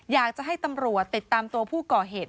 อยากจะให้ตำรวจติดตามตัวผู้ก่อเหตุ